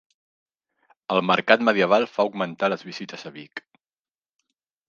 El Mercat Medieval fa augmentar les visites a Vic